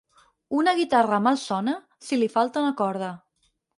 Una guitarra mal sona, si li falta una corda.